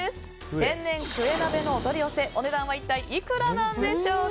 天然クエ鍋のお取り寄せお値段は一体いくらでしょうか。